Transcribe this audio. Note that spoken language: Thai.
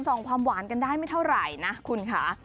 ส่องความหวานกันได้ไม่เท่าไรนะคุณค้า